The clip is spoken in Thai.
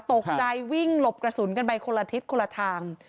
ตกใจวิ่งหลบกระสุนกันไปคนละทิศคนละทาง